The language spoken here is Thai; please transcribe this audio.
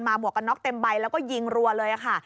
หมวกกันน็อกเต็มใบแล้วก็ยิงรัวเลยค่ะ